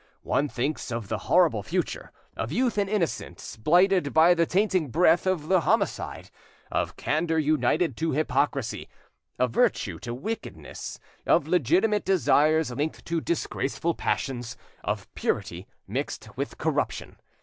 One thinks of the horrible future; of youth and innocence blighted by the tainting breath of the homicide; of candour united to hypocrisy; of virtue to wickedness; of legitimate desires linked to disgraceful passions; of purity mixed with corruption.